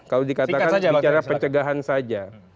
kalau dikatakan bicara pencegahan saja